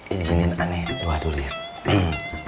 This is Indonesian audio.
ijinin ana ya ulat dulu ya